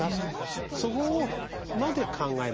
そこまで考えましょう。